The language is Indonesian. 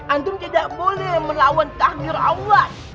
antum tidak boleh melawan takdir allah